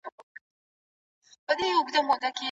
ایا ماشوم بیا دروازه وهي؟